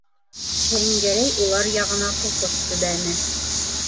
- Шәңгәрәй улар яғына ҡуҡыш төбәне.